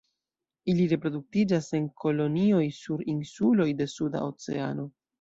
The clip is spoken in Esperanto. Ili reproduktiĝas en kolonioj sur insuloj de Suda Oceano.